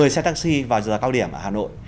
một mươi xe taxi vào giờ cao điểm ở hà nội